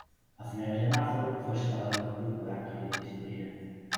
A finales de marzo fue separado del club por actos de indisciplina.